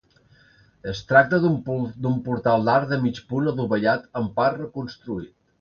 Es tracta d'un portal d'arc de mig punt adovellat, en part reconstruït.